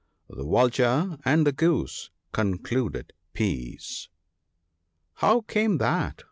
The Vulture and the Goose concluded Peace." " How came that